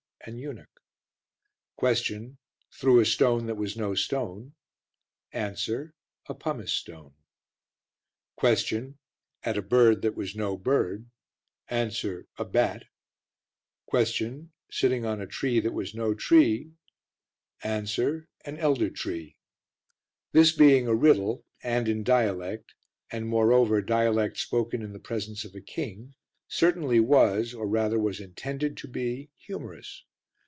An eunuch Q. Threw a stone that was no stone A. A pumice stone Q. At a bird that was no bird A. A bat Q. Sitting on a tree that was no tree A. An elder tree. This being a riddle and in dialect and, moreover, dialect spoken in the presence of a king, certainly was, or rather was intended to be, humorous.